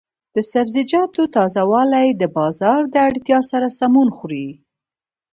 د سبزیجاتو تازه والي د بازار د اړتیا سره سمون خوري.